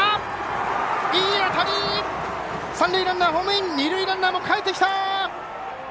三塁ランナー、ホームイン二塁ランナーもかえってきた！